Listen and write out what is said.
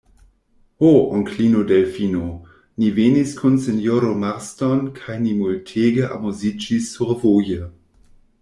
Ho, onklino Delfino, ni venis kun sinjoro Marston kaj ni multege amuziĝis survoje!